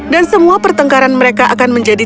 semua pertengkaran mereka akan menjadi